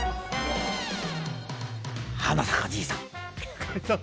「花さかじいさん」。